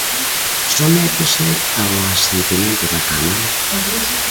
Sométese ao asentimento da Cámara.